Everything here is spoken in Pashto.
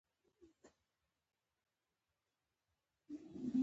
د منطقوي اقتصاد او خواف لویې لارې په اړه لکچر ورکړم.